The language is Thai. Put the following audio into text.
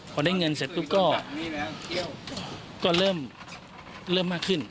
พอได้เงินเสร็จปุ๊บก็เริ่มมากขึ้น